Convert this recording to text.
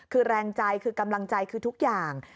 คือแรงใจคือกำลังใจคือทุกอย่าง